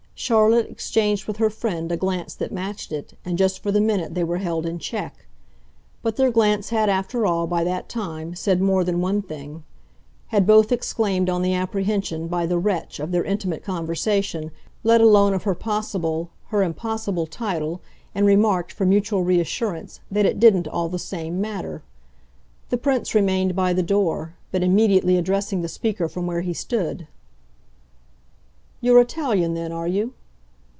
Charlotte exchanged with her friend a glance that matched it, and just for the minute they were held in check. But their glance had, after all, by that time, said more than one thing; had both exclaimed on the apprehension, by the wretch, of their intimate conversation, let alone of her possible, her impossible, title, and remarked, for mutual reassurance, that it didn't, all the same, matter. The Prince remained by the door, but immediately addressing the speaker from where he stood. "You're Italian then, are you?"